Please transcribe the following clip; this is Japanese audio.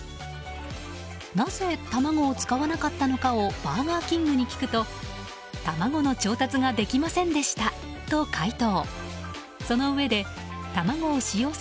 なぜ卵を使わなかったのかをバーガーキングに聞くと卵の調達ができませんでしたと回答。